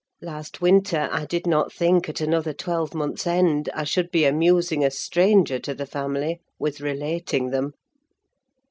Last winter, I did not think, at another twelve months' end, I should be amusing a stranger to the family with relating them!